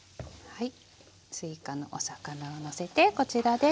はい。